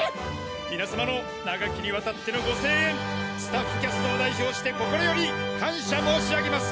皆さまの長きにわたってのご声援スタッフキャストを代表して心より感謝申し上げます！